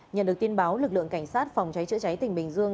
nhận được tin báo lực lượng cảnh sát phòng cháy chữa cháy tỉnh bình dương